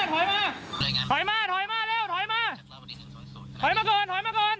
ให้เร็ว